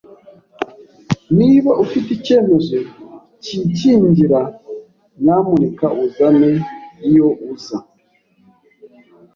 Niba ufite icyemezo cyikingira, nyamuneka uzane iyo uza